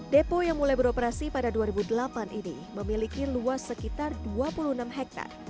depo yang mulai beroperasi pada dua ribu delapan ini memiliki luas sekitar dua puluh enam hektare